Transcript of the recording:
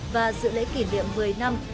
và dự lễ kỷ niệm một mươi năm